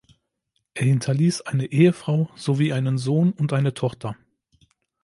Er hinterließ eine Ehefrau sowie einen Sohn und eine Tochter.